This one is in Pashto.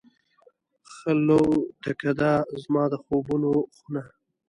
خلوتکده، زما د خوبونو خونه